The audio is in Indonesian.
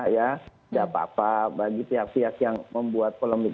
tidak apa apa bagi pihak pihak yang membuat polemik